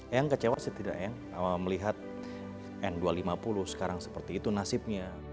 eyang kecewa sih tidak ya melihat n dua ratus lima puluh sekarang seperti itu nasibnya